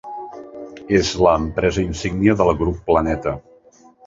És l'empresa insígnia del Grup Planeta.